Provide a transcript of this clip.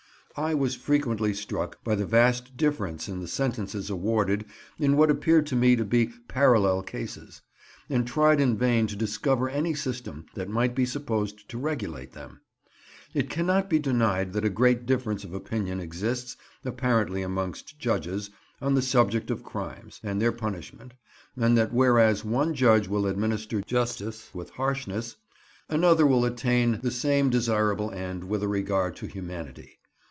I was frequently struck by the vast difference in the sentences awarded in what appeared to me to be parallel cases, and tried in vain to discover any system that might be supposed to regulate them. It cannot be denied that a great difference of opinion exists apparently amongst judges on the subject of crimes and their punishment, and that whereas one judge will administer justice with harshness, another will attain the same desirable end with a regard to humanity.